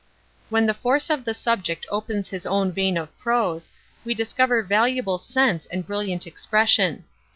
When the force of the subject opens his own vein of prose, we discover valuable sense and brilliant expression.